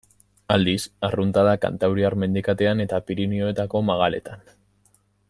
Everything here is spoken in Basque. Aldiz, arrunta da Kantauriar mendikatean eta Pirinioetako magaletan.